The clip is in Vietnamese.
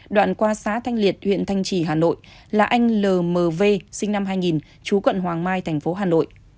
đoạn qua xá thanh liệt huyện thanh trì hà nội là anh lmv sinh năm hai nghìn chú quận hoàng mai thành phố hà nội